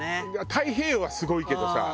太平洋はすごいけどさ。